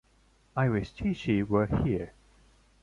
I wish Chee-Chee were here.